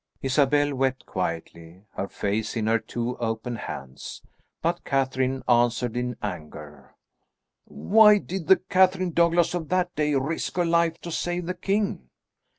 Isabel wept quietly, her face in her two open hands. But Catherine answered in anger, "Why did the Catherine Douglas of that day risk her life to save the king?